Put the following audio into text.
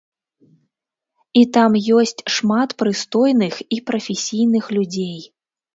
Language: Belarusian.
І там ёсць шмат прыстойных і прафесійных людзей.